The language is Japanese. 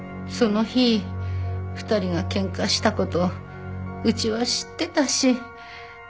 その日２人が喧嘩した事うちは知ってたし。